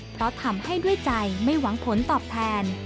เพราะทำให้ด้วยใจไม่หวังผลตอบแทน